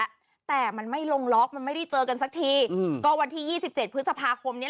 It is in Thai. ทีนี้พอเราอยากจะมาหาแกเอ้าโควิดอะไรอย่างนี้